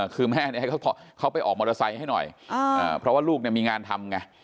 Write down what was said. คือแม่เขาไปออกมอเตอร์ไซค์ให้หน่อยเพราะว่าลูกมีงานทำไง